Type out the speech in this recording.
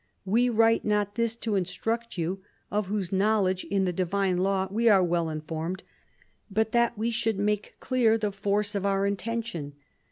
We write not this to instruct you, of whose knowledge in the divine law we are well informed, but that we should make clear the force of our intention.